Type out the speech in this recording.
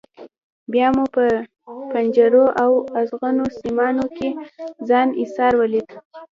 بیا مو په پنجرو او ازغنو سیمانو کې ځان ایسار ولید.